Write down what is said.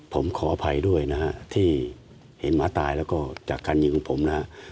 ผมขออภัยด้วยนะฮะที่เห็นหมาตายแล้วก็จากการยิงของผมนะฮะ